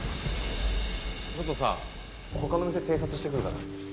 ちょっとさ他の店偵察してくるから。